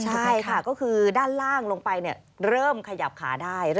ใช่ค่ะก็คือด้านล่างลงไปเริ่มขยับขาได้